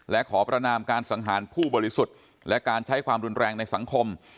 และขอประนามการสังหารผู้บริสุทธิ์และการใช้ความรุนแรงในสังคม